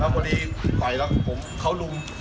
แล้วพอดีต่อยแล้วเขารุม